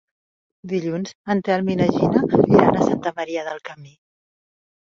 Dilluns en Telm i na Gina iran a Santa Maria del Camí.